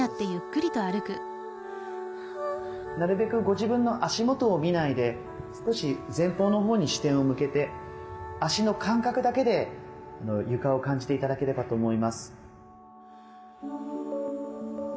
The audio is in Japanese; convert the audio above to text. なるべくご自分の足元を見ないで少し前方のほうに視点を向けて足の感覚だけで床を感じて頂ければと思います。